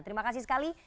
terima kasih sekali